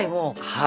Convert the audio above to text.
はい。